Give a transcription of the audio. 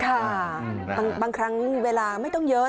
ค่ะบางครั้งเวลาไม่ต้องเยอะ